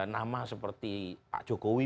nama seperti pak jokowi